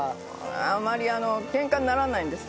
あまりケンカにならないんです